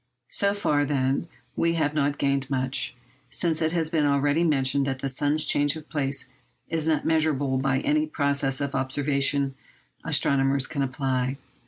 So far, then, we have not gained much, since it has been already mentioned that the sun's change of place is not measurable by any process of observation astronomers can apply.